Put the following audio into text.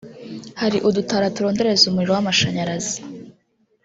hari udutara turondereza umuriro w’amashanyarazi